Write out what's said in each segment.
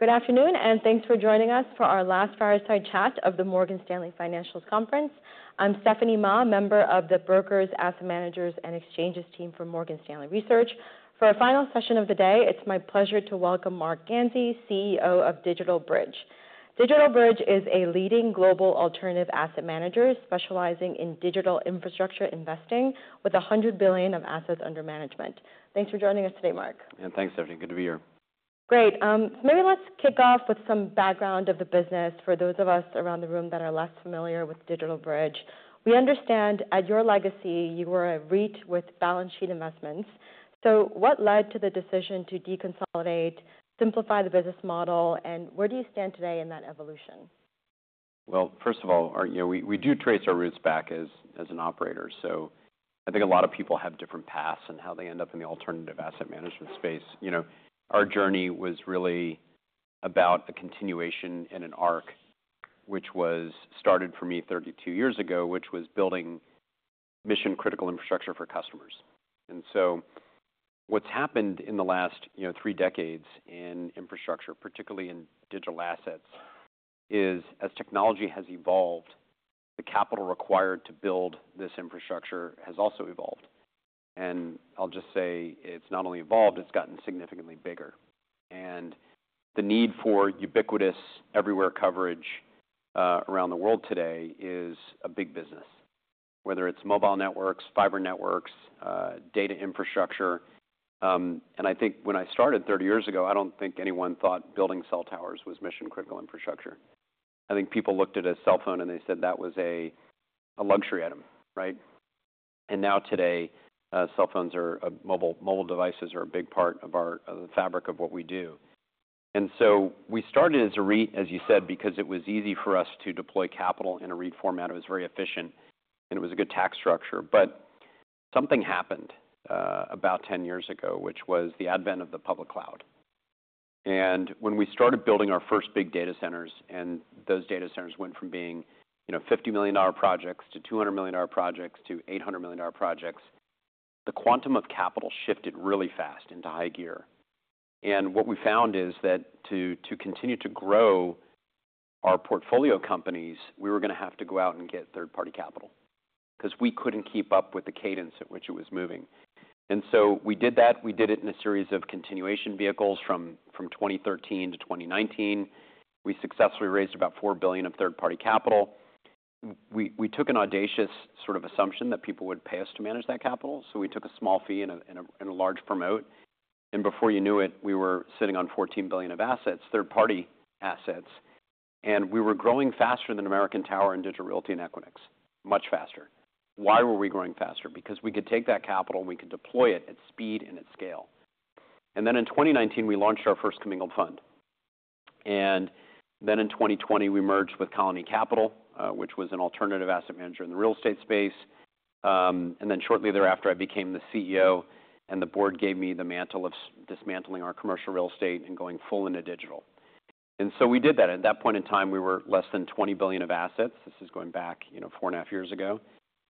Good afternoon, and thanks for joining us for our last fireside chat of the Morgan Stanley Financials Conference. I'm Stephanie Ma, member of the Brokers, Asset Managers, and Exchanges team for Morgan Stanley Research. For our final session of the day, it's my pleasure to welcome Marc Ganzi, CEO of DigitalBridge. DigitalBridge is a leading global alternative asset manager specializing in digital infrastructure investing with $100 billion of assets under management. Thanks for joining us today, Marc. Thanks, Stephanie. Good to be here. Great. Maybe let's kick off with some background of the business for those of us around the room that are less familiar with DigitalBridge. We understand, at your legacy, you were a REIT with balance sheet investments. What led to the decision to deconsolidate, simplify the business model, and where do you stand today in that evolution? First of all, we do trace our roots back as an operator. I think a lot of people have different paths in how they end up in the alternative asset management space. Our journey was really about a continuation in an arc, which was started for me 32 years ago, which was building mission-critical infrastructure for customers. What has happened in the last three decades in infrastructure, particularly in digital assets, is, as technology has evolved, the capital required to build this infrastructure has also evolved. I'll just say, it's not only evolved, it's gotten significantly bigger. The need for ubiquitous, everywhere coverage around the world today is a big business, whether it's mobile networks, fiber networks, data infrastructure. I think, when I started 30 years ago, I don't think anyone thought building cell towers was mission-critical infrastructure. I think people looked at a cell phone, and they said that was a luxury item. Now, today, cell phones or mobile devices are a big part of the fabric of what we do. We started as a REIT, as you said, because it was easy for us to deploy capital in a REIT format. It was very efficient, and it was a good tax structure. Something happened about 10 years ago, which was the advent of the public cloud. When we started building our first big data centers, those data centers went from being $50 million projects to $200 million projects to $800 million projects, the quantum of capital shifted really fast into high gear. What we found is that, to continue to grow our portfolio companies, we were going to have to go out and get third-party capital because we could not keep up with the cadence at which it was moving. We did that. We did it in a series of continuation vehicles from 2013 to 2019. We successfully raised about $4 billion of third-party capital. We took an audacious sort of assumption that people would pay us to manage that capital. We took a small fee and a large promote. Before you knew it, we were sitting on $14 billion of assets, third-party assets. We were growing faster than American Tower and Digital Realty and Equinix, much faster. Why were we growing faster? We could take that capital, and we could deploy it at speed and at scale. In 2019, we launched our first commingled fund. In 2020, we merged with Colony Capital, which was an alternative asset manager in the real estate space. Shortly thereafter, I became the CEO, and the board gave me the mantle of dismantling our commercial real estate and going full into digital. We did that. At that point in time, we were less than $20 billion of assets. This is going back four and a half years ago.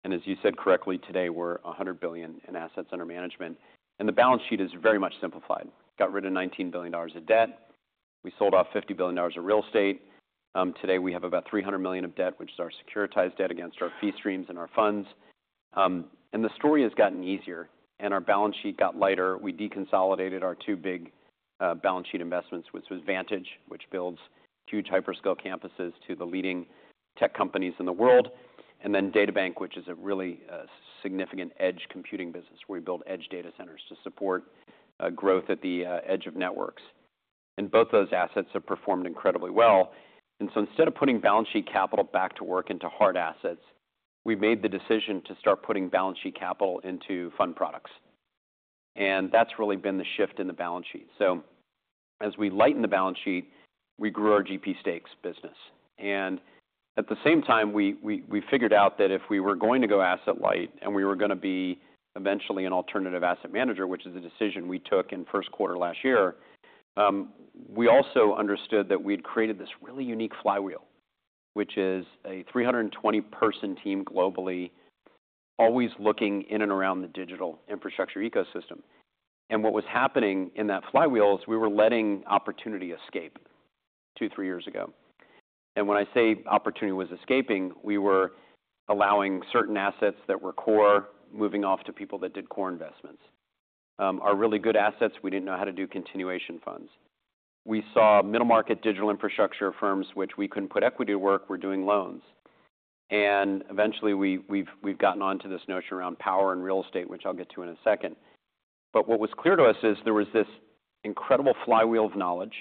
As you said correctly, today, we are $100 billion in assets under management. The balance sheet is very much simplified. Got rid of $19 billion of debt. We sold off $50 billion of real estate. Today, we have about $300 million of debt, which is our securitized debt against our fee streams and our funds. The story has gotten easier, and our balance sheet got lighter. We deconsolidated our two big balance sheet investments, which was Vantage, which builds huge hyperscale campuses to the leading tech companies in the world, and then DataBank, which is a really significant edge computing business, where we build edge data centers to support growth at the edge of networks. Both those assets have performed incredibly well. Instead of putting balance sheet capital back to work into hard assets, we made the decision to start putting balance sheet capital into fund products. That has really been the shift in the balance sheet. As we lightened the balance sheet, we grew our GP stakes business. At the same time, we figured out that, if we were going to go asset light, and we were going to be eventually an alternative asset manager, which is a decision we took in the first quarter last year, we also understood that we had created this really unique flywheel, which is a 320-person team globally, always looking in and around the digital infrastructure ecosystem. What was happening in that flywheel is we were letting opportunity escape two, three years ago. When I say opportunity was escaping, we were allowing certain assets that were core moving off to people that did core investments. Our really good assets, we did not know how to do continuation funds. We saw middle-market digital infrastructure firms, which we could not put equity to work, were doing loans. Eventually, we've gotten on to this notion around power and real estate, which I'll get to in a second. What was clear to us is there was this incredible flywheel of knowledge.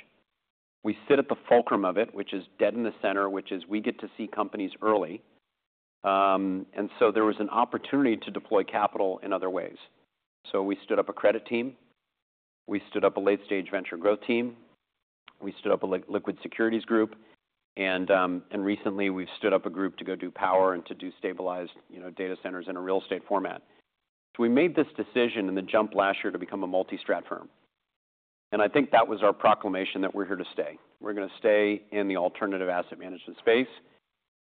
We sit at the fulcrum of it, which is dead in the center, which is we get to see companies early. There was an opportunity to deploy capital in other ways. We stood up a credit team. We stood up a late-stage venture growth team. We stood up a liquid securities group. Recently, we've stood up a group to go do power and to do stabilized data centers in a real estate format. We made this decision in the jump last year to become a multi-strata firm. I think that was our proclamation that we're here to stay. We're going to stay in the alternative asset management space,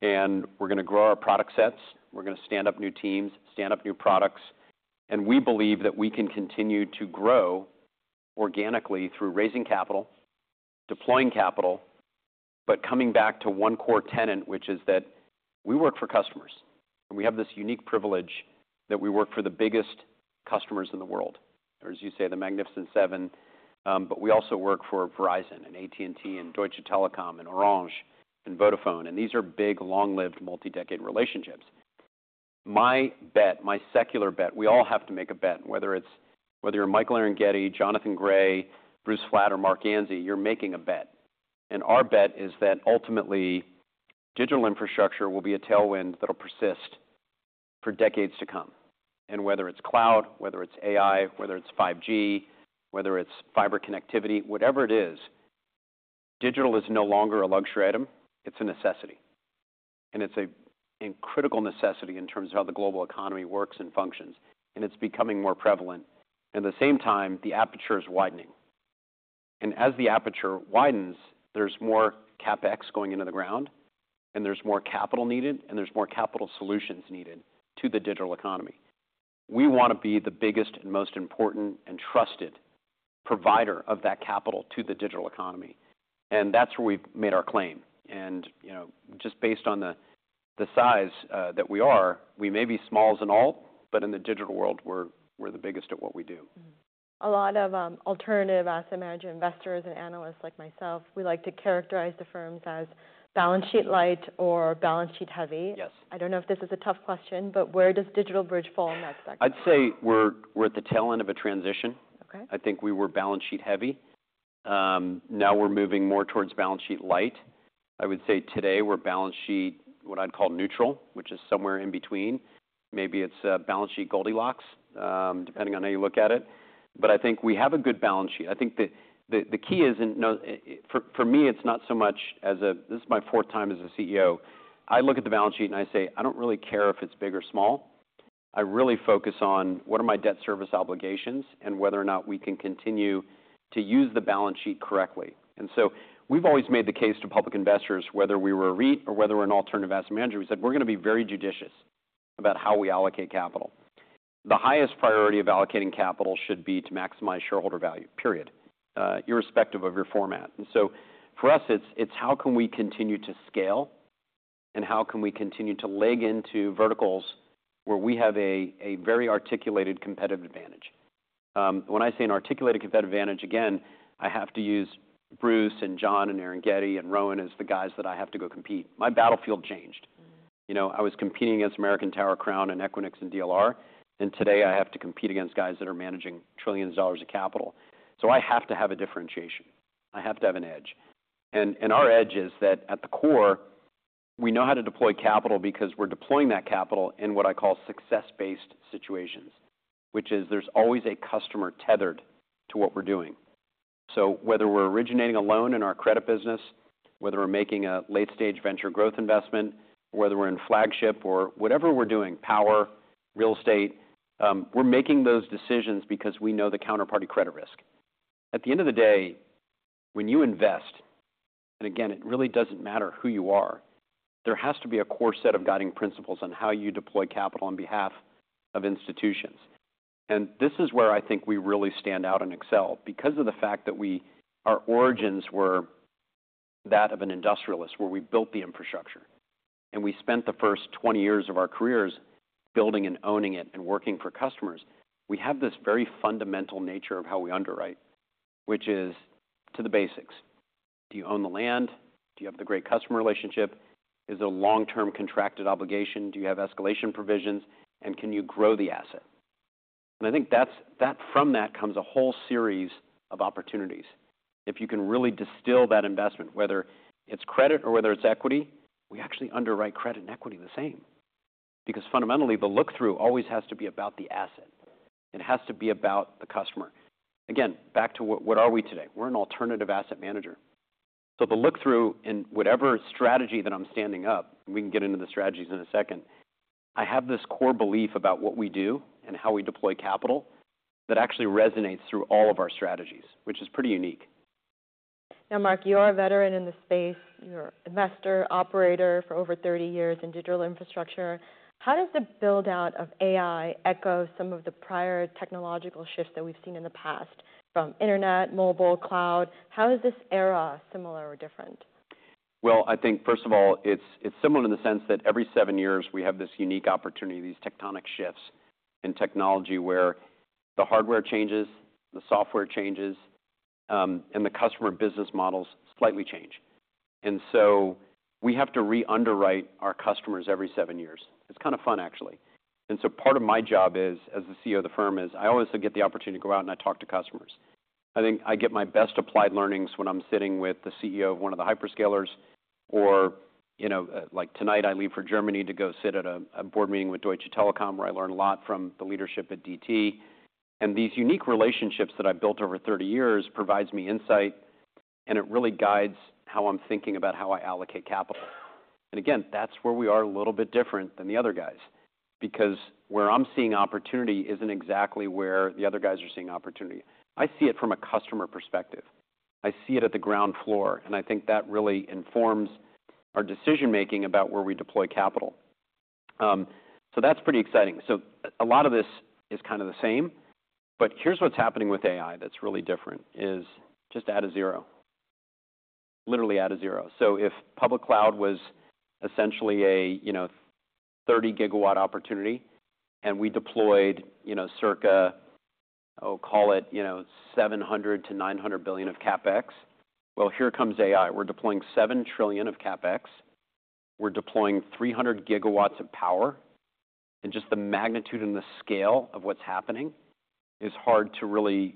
and we're going to grow our product sets. We're going to stand up new teams, stand up new products. We believe that we can continue to grow organically through raising capital, deploying capital, but coming back to one core tenet, which is that we work for customers. We have this unique privilege that we work for the biggest customers in the world, or, as you say, the Magnificent Seven. We also work for Verizon and AT&T and Deutsche Telekom and Orange and Vodafone. These are big, long-lived, multi-decade relationships. My bet, my secular bet, we all have to make a bet, whether it's whether you're Michael Erengetti, Jonathan Gray, Bruce Flatt, or Marc Ganzi, you're making a bet. Our bet is that, ultimately, digital infrastructure will be a tailwind that'll persist for decades to come. Whether it's cloud, whether it's AI, whether it's 5G, whether it's fiber connectivity, whatever it is, digital is no longer a luxury item. It's a necessity. It's a critical necessity in terms of how the global economy works and functions. It's becoming more prevalent. At the same time, the aperture is widening. As the aperture widens, there's more CapEx going into the ground, there's more capital needed, and there's more capital solutions needed to the digital economy. We want to be the biggest and most important and trusted provider of that capital to the digital economy. That's where we've made our claim. Just based on the size that we are, we may be small as an all, but in the digital world, we're the biggest at what we do. A lot of alternative asset manager investors and analysts like myself, we like to characterize the firms as balance sheet light or balance sheet heavy. Yes. I don't know if this is a tough question, but where does DigitalBridge fall in that spectrum? I'd say we're at the tail end of a transition. I think we were balance sheet heavy. Now we're moving more towards balance sheet light. I would say, today, we're balance sheet what I'd call neutral, which is somewhere in between. Maybe it's balance sheet Goldilocks, depending on how you look at it. I think we have a good balance sheet. I think the key is, for me, it's not so much as a this is my fourth time as a CEO. I look at the balance sheet, and I say, I don't really care if it's big or small. I really focus on what are my debt service obligations and whether or not we can continue to use the balance sheet correctly. We have always made the case to public investors, whether we were a REIT or whether we are an alternative asset manager, we said, we are going to be very judicious about how we allocate capital. The highest priority of allocating capital should be to maximize shareholder value, period, irrespective of your format. For us, it is how can we continue to scale, and how can we continue to leg into verticals where we have a very articulated competitive advantage. When I say an articulated competitive advantage, again, I have to use Bruce and John and Rowan as the guys that I have to go compete. My battlefield changed. I was competing against American Tower, Crown, Equinix, and Digital Realty, and today, I have to compete against guys that are managing trillions of dollars of capital. I have to have a differentiation. I have to have an edge. Our edge is that, at the core, we know how to deploy capital because we're deploying that capital in what I call success-based situations, which is there's always a customer tethered to what we're doing. Whether we're originating a loan in our credit business, whether we're making a late-stage venture growth investment, whether we're in flagship, or whatever we're doing, power, real estate, we're making those decisions because we know the counterparty credit risk. At the end of the day, when you invest, and again, it really doesn't matter who you are, there has to be a core set of guiding principles on how you deploy capital on behalf of institutions. This is where I think we really stand out and excel because of the fact that our origins were that of an industrialist, where we built the infrastructure. We spent the first 20 years of our careers building and owning it and working for customers. We have this very fundamental nature of how we underwrite, which is to the basics. Do you own the land? Do you have the great customer relationship? Is it a long-term contracted obligation? Do you have escalation provisions? And can you grow the asset? I think that from that comes a whole series of opportunities. If you can really distill that investment, whether it is credit or whether it is equity, we actually underwrite credit and equity the same because, fundamentally, the look-through always has to be about the asset. It has to be about the customer. Again, back to what are we today? We are an alternative asset manager. The look-through in whatever strategy that I'm standing up, and we can get into the strategies in a second, I have this core belief about what we do and how we deploy capital that actually resonates through all of our strategies, which is pretty unique. Now, Marc, you're a veteran in the space. You're an investor operator for over 30 years in digital infrastructure. How does the build-out of AI echo some of the prior technological shifts that we've seen in the past from internet, mobile, cloud? How is this era similar or different? I think, first of all, it's similar in the sense that every seven years, we have this unique opportunity, these tectonic shifts in technology, where the hardware changes, the software changes, and the customer business models slightly change. We have to re-underwrite our customers every seven years. It's kind of fun, actually. Part of my job as the CEO of the firm is I always get the opportunity to go out and I talk to customers. I think I get my best applied learnings when I'm sitting with the CEO of one of the hyperscalers. Or, like tonight, I leave for Germany to go sit at a board meeting with Deutsche Telekom, where I learn a lot from the leadership at DT. These unique relationships that I've built over 30 years provide me insight, and it really guides how I'm thinking about how I allocate capital. Again, that's where we are a little bit different than the other guys because where I'm seeing opportunity isn't exactly where the other guys are seeing opportunity. I see it from a customer perspective. I see it at the ground floor. I think that really informs our decision-making about where we deploy capital. That's pretty exciting. A lot of this is kind of the same. Here's what's happening with AI that's really different: just add a zero, literally add a zero. If public cloud was essentially a 30 GW opportunity, and we deployed circa, I'll call it, $700 billion-$900 billion of CapEx, here comes AI. We're deploying $7 trillion of CapEx. We're deploying 300 GW of power. The magnitude and the scale of what's happening is hard to really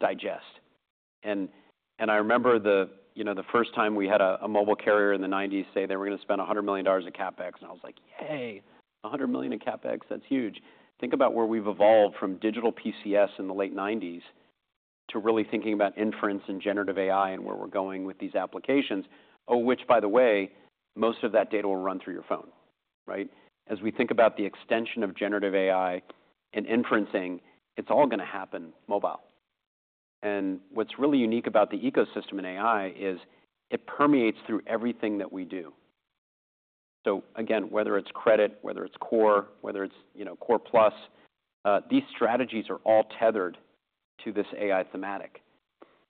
digest. I remember the first time we had a mobile carrier in the 1990s say they were going to spend $100 million of CapEx. I was like, "Yay, $100 million of CapEx, that's huge." Think about where we've evolved from digital PCS in the late 1990s to really thinking about inference and generative AI and where we're going with these applications, which, by the way, most of that data will run through your phone, right? As we think about the extension of generative AI and inferencing, it's all going to happen mobile. What's really unique about the ecosystem in AI is it permeates through everything that we do. Again, whether it's credit, whether it's core, whether it's core plus, these strategies are all tethered to this AI thematic.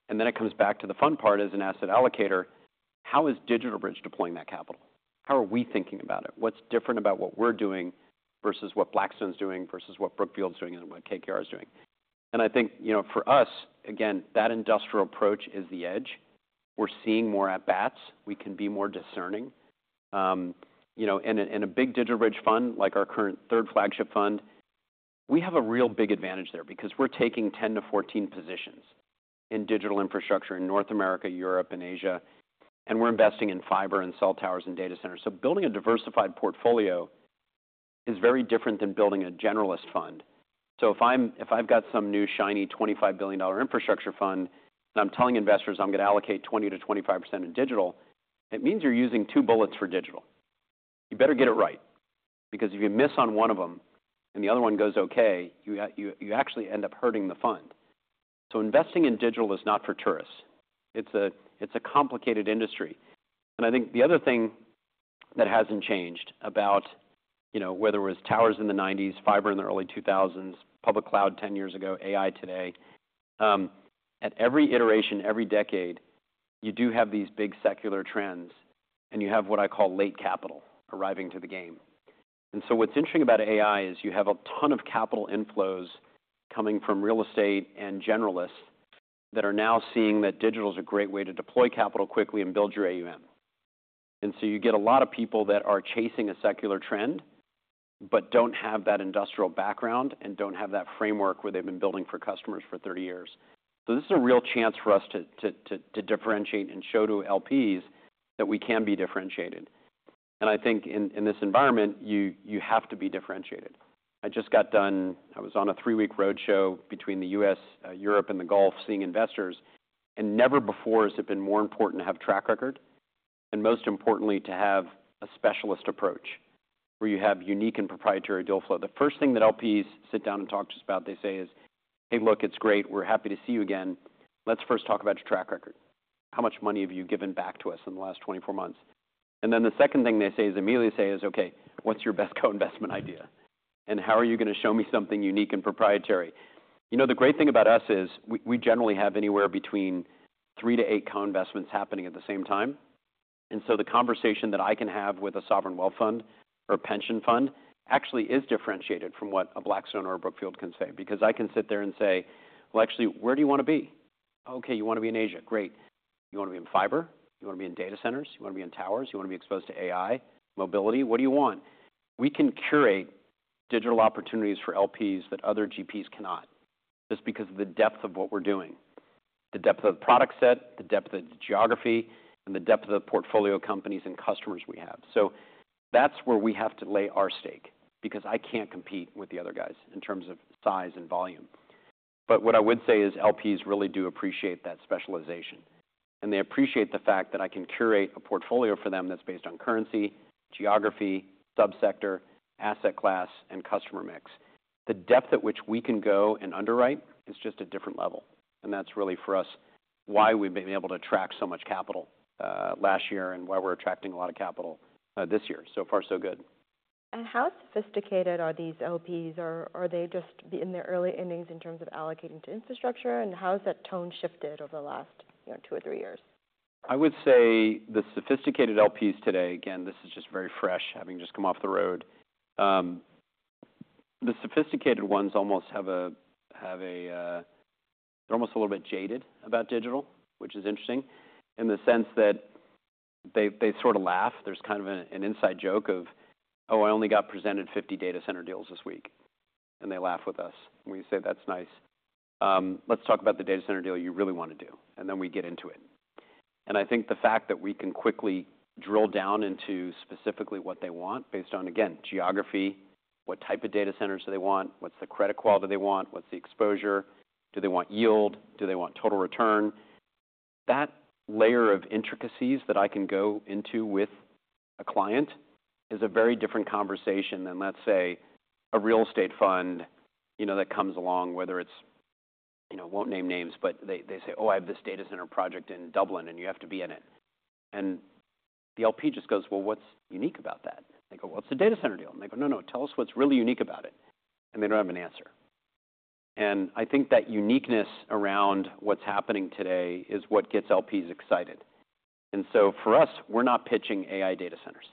It comes back to the fun part as an asset allocator. How is DigitalBridge deploying that capital? How are we thinking about it? What's different about what we're doing versus what Blackstone's doing versus what Brookfield's doing and what KKR is doing? I think, for us, again, that industrial approach is the edge. We're seeing more at-bats. We can be more discerning. In a big DigitalBridge fund, like our current third flagship fund, we have a real big advantage there because we're taking 10-14 positions in digital infrastructure in North America, Europe, and Asia. We're investing in fiber and cell towers and data centers. Building a diversified portfolio is very different than building a generalist fund. If I've got some new shiny $25 billion infrastructure fund, and I'm telling investors I'm going to allocate 20-25% in digital, it means you're using two bullets for digital. You better get it right because if you miss on one of them and the other one goes okay, you actually end up hurting the fund. Investing in digital is not for tourists. It's a complicated industry. I think the other thing that hasn't changed about whether it was towers in the 1990s, fiber in the early 2000s, public cloud 10 years ago, AI today, at every iteration, every decade, you do have these big secular trends, and you have what I call late capital arriving to the game. What's interesting about AI is you have a ton of capital inflows coming from real estate and generalists that are now seeing that digital is a great way to deploy capital quickly and build your AUM. You get a lot of people that are chasing a secular trend but do not have that industrial background and do not have that framework where they have been building for customers for 30 years. This is a real chance for us to differentiate and show to LPs that we can be differentiated. I think, in this environment, you have to be differentiated. I just got done, I was on a three-week roadshow between the U.S., Europe, and the Gulf seeing investors. Never before has it been more important to have track record and, most importantly, to have a specialist approach where you have unique and proprietary deal flow. The first thing that LPs sit down and talk to us about, they say is, "Hey, look, it's great. We're happy to see you again. Let's first talk about your track record. How much money have you given back to us in the last 24 months?" The second thing they say is, "Okay, what's your best co-investment idea? And how are you going to show me something unique and proprietary?" The great thing about us is we generally have anywhere between three to eight co-investments happening at the same time. The conversation that I can have with a sovereign wealth fund or a pension fund actually is differentiated from what a Blackstone or a Brookfield can say because I can sit there and say, "Well, actually, where do you want to be?" "Okay, you want to be in Asia. Great. You want to be in fiber? You want to be in data centers? You want to be in towers? You want to be exposed to AI, mobility? What do you want? We can curate digital opportunities for LPs that other GPs cannot just because of the depth of what we're doing, the depth of the product set, the depth of the geography, and the depth of the portfolio companies and customers we have. That is where we have to lay our stake because I cannot compete with the other guys in terms of size and volume. What I would say is LPs really do appreciate that specialization. They appreciate the fact that I can curate a portfolio for them that is based on currency, geography, subsector, asset class, and customer mix. The depth at which we can go and underwrite is just a different level. That is really, for us, why we have been able to attract so much capital last year and why we are attracting a lot of capital this year. So far, so good. How sophisticated are these LPs? Are they just in their early innings in terms of allocating to infrastructure? How has that tone shifted over the last two or three years? I would say the sophisticated LPs today, again, this is just very fresh, having just come off the road. The sophisticated ones almost have a, they're almost a little bit jaded about digital, which is interesting in the sense that they sort of laugh. There's kind of an inside joke of, "Oh, I only got presented 50 data center deals this week." They laugh with us when we say, "That's nice. Let's talk about the data center deal you really want to do." Then we get into it. I think the fact that we can quickly drill down into specifically what they want based on, again, geography, what type of data centers do they want, what's the credit quality they want, what's the exposure, do they want yield, do they want total return, that layer of intricacies that I can go into with a client is a very different conversation than, let's say, a real estate fund that comes along, whether it's won't name names, but they say, "Oh, I have this data center project in Dublin, and you have to be in it." The LP just goes, "Well, what's unique about that?" They go, "Well, it's a data center deal." They go, "No, no. Tell us what's really unique about it." They don't have an answer. I think that uniqueness around what's happening today is what gets LPs excited. For us, we're not pitching AI data centers.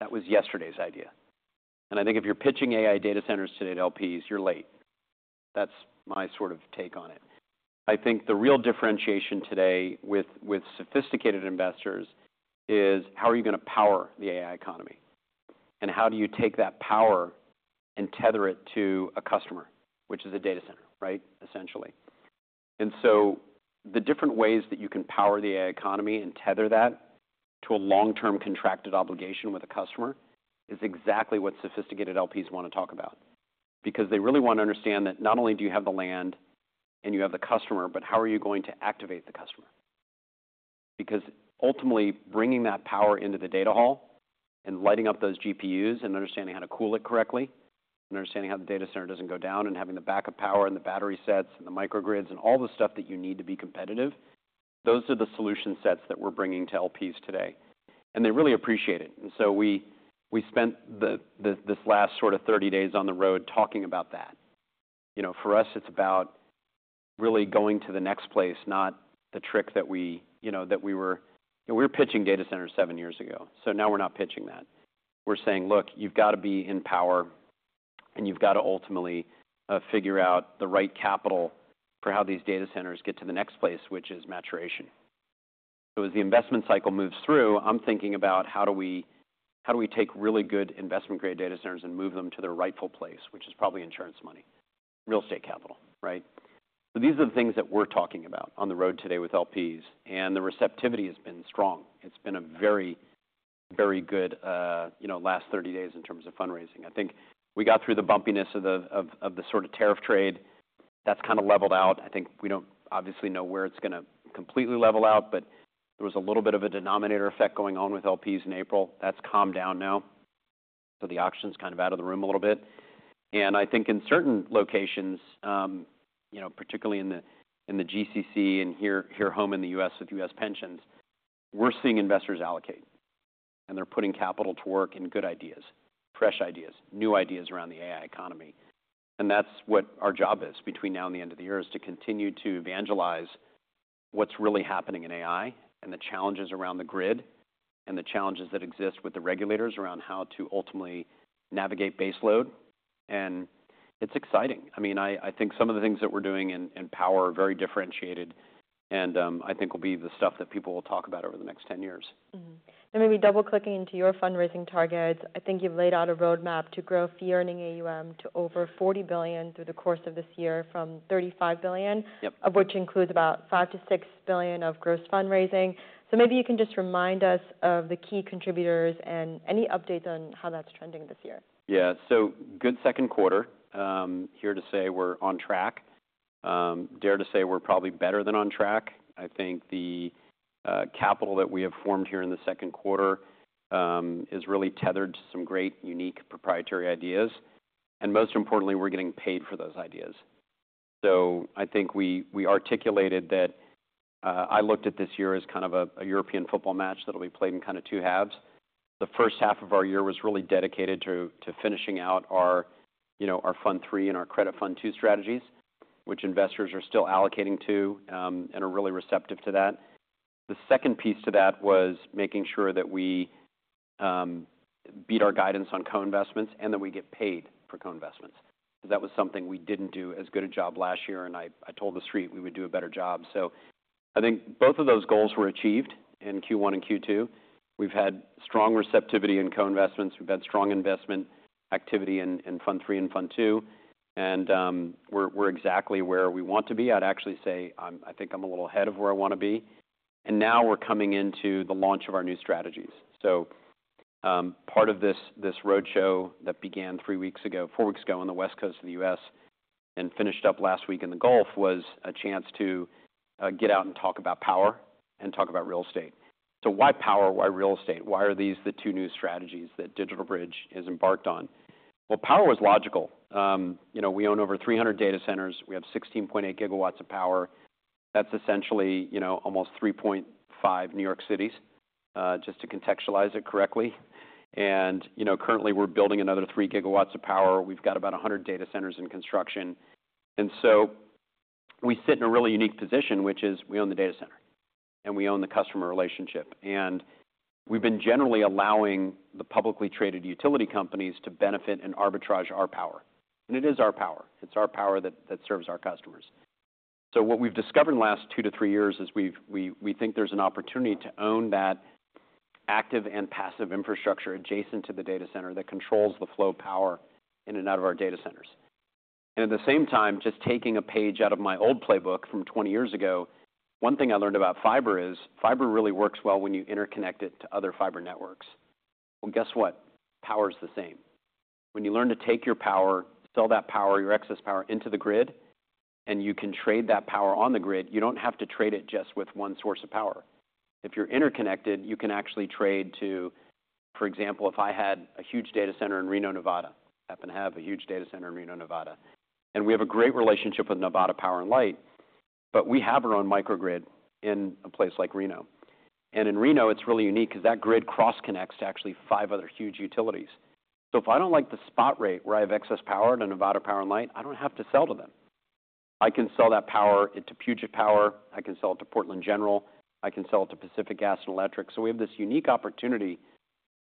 That was yesterday's idea. I think if you're pitching AI data centers today to LPs, you're late. That's my sort of take on it. I think the real differentiation today with sophisticated investors is how are you going to power the AI economy? How do you take that power and tether it to a customer, which is a data center, right, essentially? The different ways that you can power the AI economy and tether that to a long-term contracted obligation with a customer is exactly what sophisticated LPs want to talk about because they really want to understand that not only do you have the land and you have the customer, but how are you going to activate the customer? Because, ultimately, bringing that power into the data hall and lighting up those GPUs and understanding how to cool it correctly and understanding how the data center doesn't go down and having the backup power and the battery sets and the microgrids and all the stuff that you need to be competitive, those are the solution sets that we're bringing to LPs today. They really appreciate it. We spent this last sort of 30 days on the road talking about that. For us, it's about really going to the next place, not the trick that we were pitching data centers seven years ago. Now we're not pitching that. We're saying, "Look, you've got to be in power, and you've got to ultimately figure out the right capital for how these data centers get to the next place, which is maturation." As the investment cycle moves through, I'm thinking about how do we take really good investment-grade data centers and move them to their rightful place, which is probably insurance money, real estate capital, right? These are the things that we're talking about on the road today with LPs. The receptivity has been strong. It's been a very, very good last 30 days in terms of fundraising. I think we got through the bumpiness of the sort of tariff trade. That's kind of leveled out. I think we don't obviously know where it's going to completely level out, but there was a little bit of a denominator effect going on with LPs in April. That's calmed down now. The auction's kind of out of the room a little bit. I think, in certain locations, particularly in the GCC and here home in the U.S. with U.S. pensions, we're seeing investors allocate. They're putting capital to work in good ideas, fresh ideas, new ideas around the AI economy. That's what our job is between now and the end of the year, to continue to evangelize what's really happening in AI and the challenges around the grid and the challenges that exist with the regulators around how to ultimately navigate baseload. It's exciting. I mean, I think some of the things that we're doing in power are very differentiated, and I think will be the stuff that people will talk about over the next 10 years. Maybe double-clicking into your fundraising targets, I think you've laid out a roadmap to grow fee-earning AUM to over $40 billion through the course of this year from $35 billion, of which includes about $5 billion-$6 billion of gross fundraising. Maybe you can just remind us of the key contributors and any updates on how that's trending this year. Yeah. Good second quarter. Here to say we're on track. Dare to say we're probably better than on track. I think the capital that we have formed here in the second quarter is really tethered to some great, unique, proprietary ideas. Most importantly, we're getting paid for those ideas. I think we articulated that I looked at this year as kind of a European football match that'll be played in two halves. The first half of our year was really dedicated to finishing out our fund three and our credit fund two strategies, which investors are still allocating to and are really receptive to that. The second piece to that was making sure that we beat our guidance on co-investments and that we get paid for co-investments because that was something we didn't do as good a job last year. I told the street we would do a better job. I think both of those goals were achieved in Q1 and Q2. We've had strong receptivity in co-investments. We've had strong investment activity in fund three and fund two. We're exactly where we want to be. I'd actually say I think I'm a little ahead of where I want to be. Now we're coming into the launch of our new strategies. Part of this roadshow that began three weeks ago, four weeks ago on the West Coast of the US and finished up last week in the Gulf was a chance to get out and talk about power and talk about real estate. Why power? Why real estate? Why are these the two new strategies that DigitalBridge has embarked on? Power is logical. We own over 300 data centers. We have 16.8 GW of power. That's essentially almost 3.5 New York cities, just to contextualize it correctly. Currently, we're building another 3 GW of power. We've got about 100 data centers in construction. We sit in a really unique position, which is we own the data center, and we own the customer relationship. We've been generally allowing the publicly traded utility companies to benefit and arbitrage our power. It is our power. It's our power that serves our customers. What we've discovered in the last two to three years is we think there's an opportunity to own that active and passive infrastructure adjacent to the data center that controls the flow of power in and out of our data centers. At the same time, just taking a page out of my old playbook from 20 years ago, one thing I learned about fiber is fiber really works well when you interconnect it to other fiber networks. Guess what? Power is the same. When you learn to take your power, sell that power, your excess power into the grid, and you can trade that power on the grid, you do not have to trade it just with one source of power. If you are interconnected, you can actually trade to, for example, if I had a huge data center in Reno, Nevada, happen to have a huge data center in Reno, Nevada. We have a great relationship with Nevada Power and Light, but we have our own microgrid in a place like Reno. In Reno, it is really unique because that grid cross-connects to actually five other huge utilities. If I don't like the spot rate where I have excess power at Nevada Power and Light, I don't have to sell to them. I can sell that power to Puget Sound Energy. I can sell it to Portland General Electric. I can sell it to Pacific Gas and Electric. We have this unique opportunity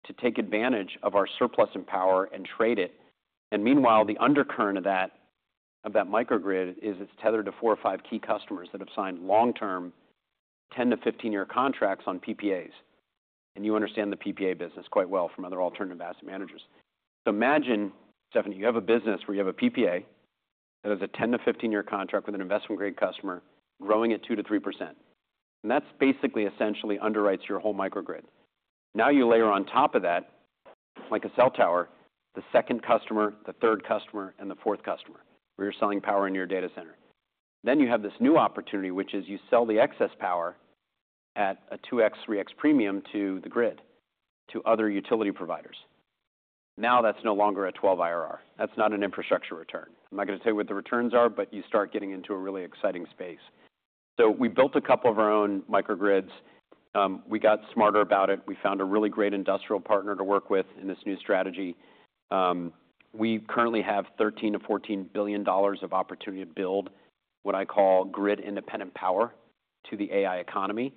to take advantage of our surplus in power and trade it. Meanwhile, the undercurrent of that microgrid is it's tethered to four or five key customers that have signed long-term 10-15 year contracts on PPAs. You understand the PPA business quite well from other alternative asset managers. Imagine, Stephanie, you have a business where you have a PPA that has a 10-15 year contract with an investment-grade customer growing at 2%-3%. That's basically essentially underwrites your whole microgrid. Now you layer on top of that, like a cell tower, the second customer, the third customer, and the fourth customer where you're selling power in your data center. Then you have this new opportunity, which is you sell the excess power at a 2x, 3x premium to the grid, to other utility providers. Now that's no longer a 12% IRR. That's not an infrastructure return. I'm not going to tell you what the returns are, but you start getting into a really exciting space. We built a couple of our own microgrids. We got smarter about it. We found a really great industrial partner to work with in this new strategy. We currently have $13 billion-$14 billion of opportunity to build what I call grid-independent power to the AI economy.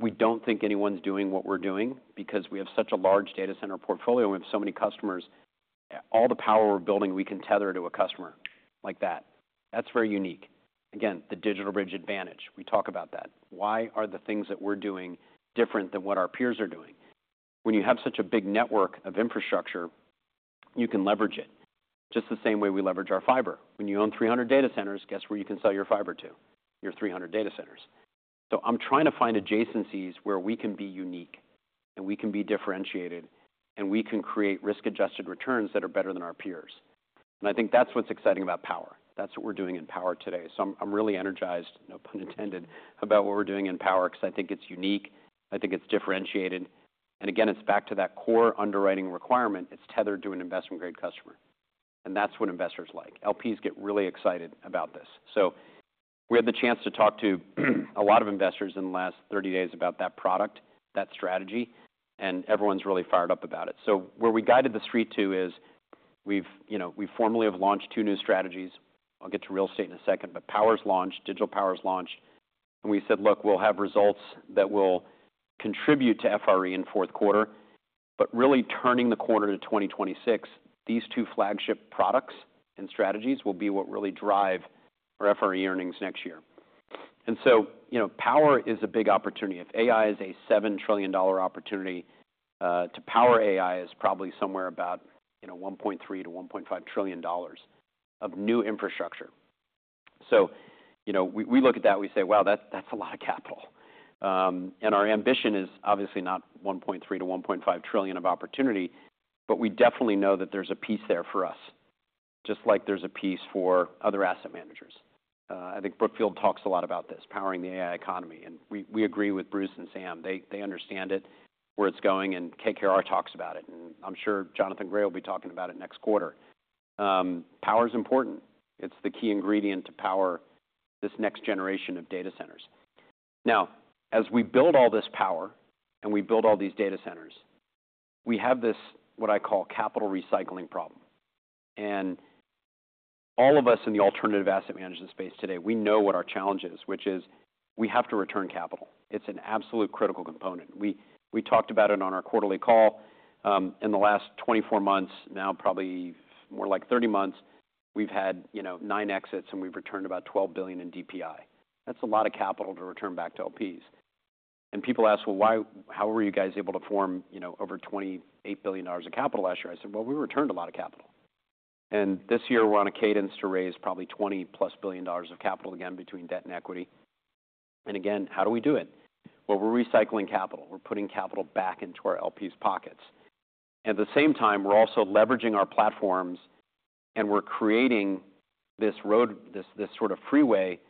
We don't think anyone's doing what we're doing because we have such a large data center portfolio. We have so many customers. All the power we're building, we can tether to a customer like that. That's very unique. Again, the DigitalBridge advantage. We talk about that. Why are the things that we're doing different than what our peers are doing? When you have such a big network of infrastructure, you can leverage it just the same way we leverage our fiber. When you own 300 data centers, guess where you can sell your fiber to? Your 300 data centers. I'm trying to find adjacencies where we can be unique, and we can be differentiated, and we can create risk-adjusted returns that are better than our peers. I think that's what's exciting about power. That's what we're doing in power today. I'm really energized, no pun intended, about what we're doing in power because I think it's unique. I think it's differentiated. Again, it's back to that core underwriting requirement. It's tethered to an investment-grade customer. That's what investors like. LPs get really excited about this. We had the chance to talk to a lot of investors in the last 30 days about that product, that strategy, and everyone's really fired up about it. Where we guided the street to is we've formally launched two new strategies. I'll get to real estate in a second, but power's launched. DigitalPower's launched. We said, "Look, we'll have results that will contribute to FRE in fourth quarter." Really turning the corner to 2026, these two flagship products and strategies will be what really drive our FRE earnings next year. Power is a big opportunity. If AI is a $7 trillion opportunity, to power AI is probably somewhere about $1.3 trillion-$1.5 trillion of new infrastructure. We look at that. We say, "Wow, that's a lot of capital." Our ambition is obviously not $1.3 trillion-$1.5 trillion of opportunity, but we definitely know that there's a piece there for us, just like there's a piece for other asset managers. I think Brookfield talks a lot about this, powering the AI economy. We agree with Bruce and Sam. They understand it, where it's going, and KKR talks about it. I'm sure Jonathan Gray will be talking about it next quarter. Power is important. It's the key ingredient to power this next generation of data centers. Now, as we build all this power and we build all these data centers, we have this what I call capital recycling problem. All of us in the alternative asset management space today, we know what our challenge is, which is we have to return capital. It's an absolute critical component. We talked about it on our quarterly call. In the last 24 months, now probably more like 30 months, we've had nine exits, and we've returned about $12 billion in DPI. That's a lot of capital to return back to LPs. People ask, "How were you guys able to form over $28 billion of capital last year?" I said, "We returned a lot of capital." This year, we're on a cadence to raise probably $20-plus billion of capital again between debt and equity. Again, how do we do it? We're recycling capital. We're putting capital back into our LPs' pockets. At the same time, we're also leveraging our platforms, and we're creating this sort of freeway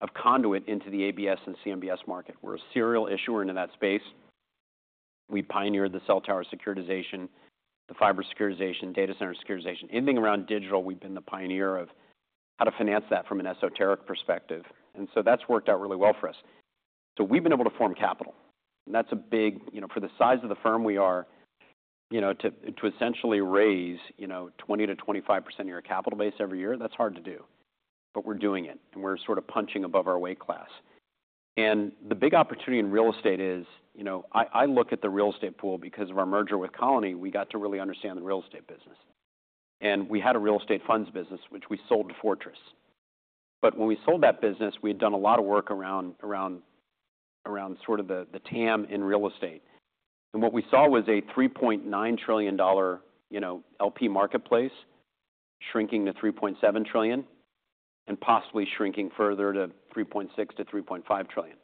of conduit into the ABS and CMBS market. We're a serial issuer into that space. We pioneered the cell tower securitization, the fiber securitization, data center securitization. Anything around digital, we've been the pioneer of how to finance that from an esoteric perspective. And so that's worked out really well for us. We've been able to form capital. That's big for the size of the firm we are, to essentially raise 20%-25% of your capital base every year, that's hard to do. We're doing it, and we're sort of punching above our weight class. The big opportunity in real estate is I look at the real estate pool because of our merger with Colony. We got to really understand the real estate business. We had a real estate funds business, which we sold to Fortress. When we sold that business, we had done a lot of work around sort of the TAM in real estate. What we saw was a $3.9 trillion LP marketplace shrinking to $3.7 trillion and possibly shrinking further to $3.6-$3.5 trillion.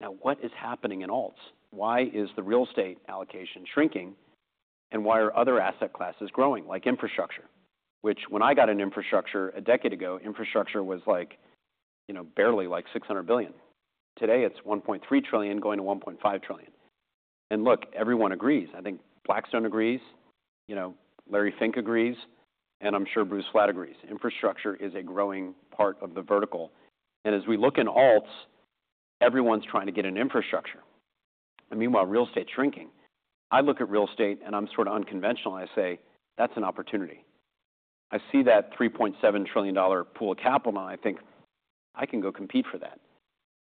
Now, what is happening in alts? Why is the real estate allocation shrinking, and why are other asset classes growing, like infrastructure? When I got in infrastructure a decade ago, infrastructure was barely like $600 billion. Today, it is $1.3 trillion going to $1.5 trillion. Look, everyone agrees. I think Blackstone agrees. Larry Fink agrees. I am sure Bruce Flatt agrees. Infrastructure is a growing part of the vertical. As we look in alts, everyone's trying to get in infrastructure. Meanwhile, real estate's shrinking. I look at real estate, and I'm sort of unconventional. I say, "That's an opportunity. I see that $3.7 trillion pool of capital, and I think I can go compete for that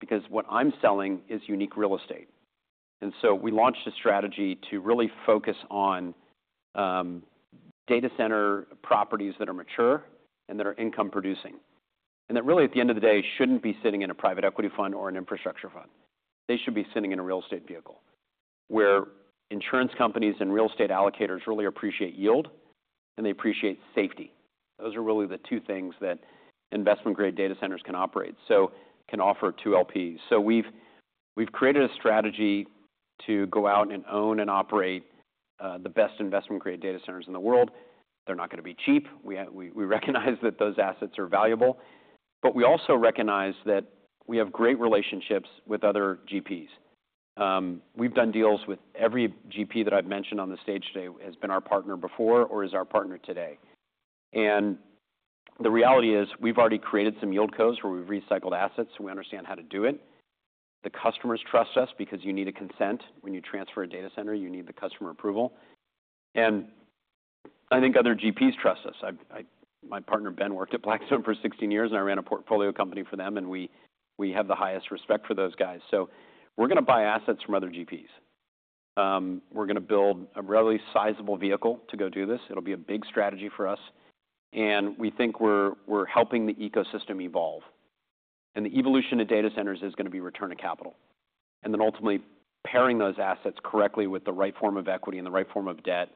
because what I'm selling is unique real estate." We launched a strategy to really focus on data center properties that are mature and that are income-producing and that really, at the end of the day, shouldn't be sitting in a private equity fund or an infrastructure fund. They should be sitting in a real estate vehicle where insurance companies and real estate allocators really appreciate yield, and they appreciate safety. Those are really the two things that investment-grade data centers can operate, so can offer to LPs. We have created a strategy to go out and own and operate the best investment-grade data centers in the world. They're not going to be cheap. We recognize that those assets are valuable. We also recognize that we have great relationships with other GPs. We've done deals with every GP that I've mentioned on the stage today has been our partner before or is our partner today. The reality is we've already created some yield codes where we've recycled assets. We understand how to do it. The customers trust us because you need a consent. When you transfer a data center, you need the customer approval. I think other GPs trust us. My partner, Ben, worked at Blackstone for 16 years, and I ran a portfolio company for them, and we have the highest respect for those guys. We're going to buy assets from other GPs. We're going to build a really sizable vehicle to go do this. It'll be a big strategy for us. We think we're helping the ecosystem evolve. The evolution of data centers is going to be return to capital. Ultimately, pairing those assets correctly with the right form of equity and the right form of debt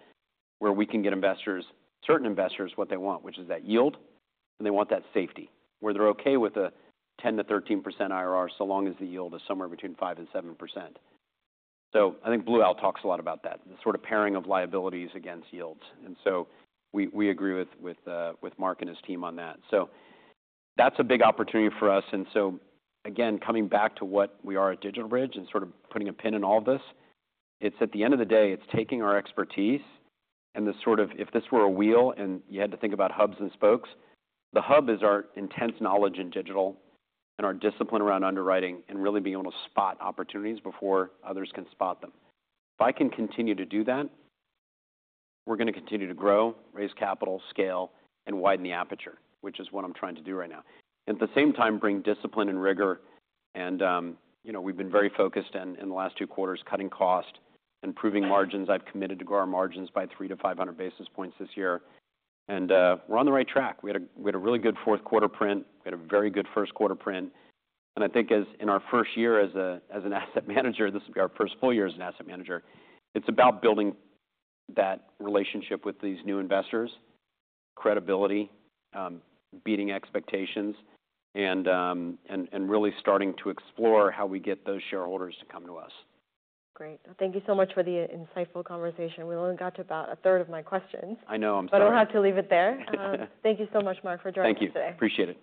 where we can get investors, certain investors, what they want, which is that yield, and they want that safety where they're okay with a 10%-13% IRR so long as the yield is somewhere between 5% and 7%. I think Blue Owl talks a lot about that, the sort of pairing of liabilities against yields. We agree with Marc and his team on that. That's a big opportunity for us. Again, coming back to what we are at DigitalBridge and sort of putting a pin in all of this, at the end of the day, it's taking our expertise and the sort of if this were a wheel and you had to think about hubs and spokes, the hub is our intense knowledge in digital and our discipline around underwriting and really being able to spot opportunities before others can spot them. If I can continue to do that, we're going to continue to grow, raise capital, scale, and widen the aperture, which is what I'm trying to do right now. At the same time, bring discipline and rigor. We've been very focused in the last two quarters, cutting cost and proving margins. I've committed to grow our margins by 3-500 basis points this year. We're on the right track. We had a really good fourth quarter print. We had a very good first quarter print. I think in our first year as an asset manager, this will be our first full year as an asset manager. It is about building that relationship with these new investors, credibility, beating expectations, and really starting to explore how we get those shareholders to come to us. Great. Thank you so much for the insightful conversation. We only got to about a third of my questions. I know. I'm sorry. I have to leave it there. Thank you so much, Marc, for joining us today. Thank you. Appreciate it.